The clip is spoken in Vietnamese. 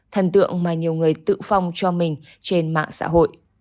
thần tượng mà nhiều người tự phong cho mình trên mạng xã hội